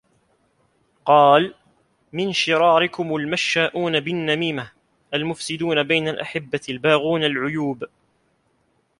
قَالَ مِنْ شِرَارِكُمْ الْمَشَّاءُونَ بِالنَّمِيمَةِ ، الْمُفْسِدُونَ بَيْنَ الْأَحِبَّةِ الْبَاغُونَ الْعُيُوبَ